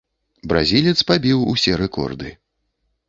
Бразілец пабіў усе рэкорды.